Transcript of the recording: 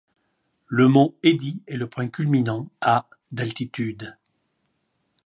Le mont Eddy est le point culminant, à d'altitude.